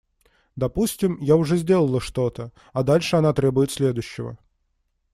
Допустим, я уже сделала что-то, а дальше она требует следующего.